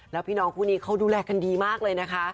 แล้วพี่น้องคู่นี้เขาดูแลกันดีมากเลยนะคะ